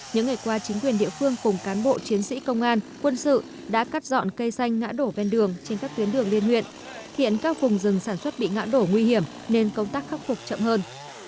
những ngày qua chính quyền địa phương cùng cán bộ chiến sĩ công an quân sự đã cắt dọn cây xanh ngã đổ bên đường trên các tuyến đường liên huyện khiến các vùng rừng sản xuất bị ngã đổ nguy hiểm nên công tác khắc phục chậm hơn